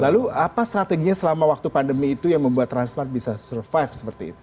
lalu apa strateginya selama waktu pandemi itu yang membuat transmart bisa survive seperti itu